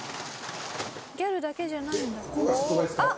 ギャルだけじゃないんだ。